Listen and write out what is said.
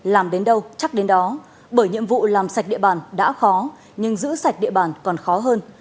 làm đến đâu chắc đến đó bởi nhiệm vụ làm sạch địa bàn đã khó nhưng giữ sạch địa bàn còn khó hơn